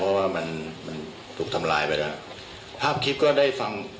เพราะว่ามันมันถูกทำร้ายไปแล้วภาพคลิปก็ได้ฟัง